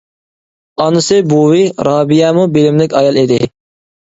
ئانىسى بۈۋى رابىيەمۇ بىلىملىك ئايال ئىدى.